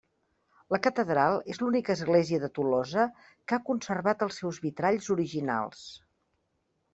La catedral és l'única església de Tolosa que ha conservat els seus vitralls originals.